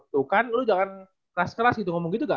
tuh kan lu jangan keras keras gitu ngomong gitu gak